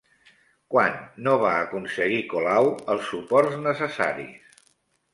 Quan no va aconseguir Colau els suports necessaris?